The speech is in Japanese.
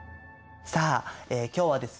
さあ今日はですね